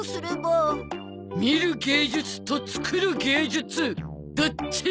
見る芸術と作る芸術どっち？